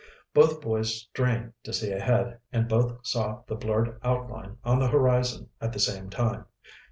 Both boys strained to see ahead, and both saw the blurred outline on the horizon at the same time.